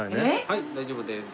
はい大丈夫です。